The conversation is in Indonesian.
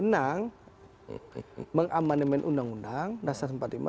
yang mengamannemen undang undang rasa seribu sembilan ratus empat puluh lima